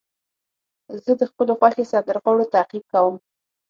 زه د خپلو خوښې سندرغاړو تعقیب کوم.